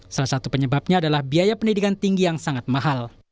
salah satu penyebabnya adalah biaya pendidikan tinggi yang sangat mahal